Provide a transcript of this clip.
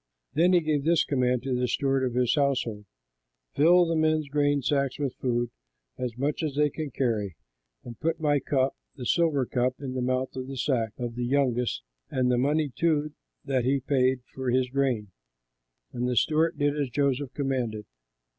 Then he gave this command to the steward of his household: "Fill the men's grain sacks with food, as much as they can carry, and put my cup, the silver cup, in the mouth of the sack of the youngest and the money too that he paid for his grain." And the steward did as Joseph commanded.